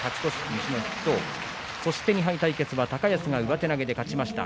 ２敗対決は高安が上手投げで勝ちました。